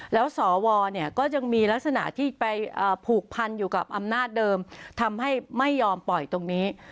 แล้วสวเนี่ยก็ยังมีลักษณะที่ไปผูกพันอยู่กับอำนาจเดิมทำให้ไม่ยอมปล่อยตรงนี้